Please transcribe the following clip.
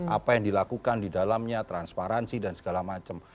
apa yang dilakukan di dalamnya transparansi dan segala macam